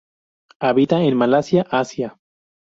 Habita en Malaya Asia.